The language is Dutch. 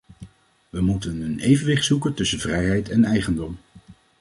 We moeten een evenwicht zoeken tussen vrijheid en eigendom.